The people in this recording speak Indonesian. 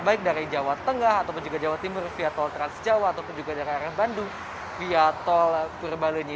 baik dari jawa tengah ataupun juga jawa timur via tol transjawa ataupun juga dari arah bandung via tol purbalenyi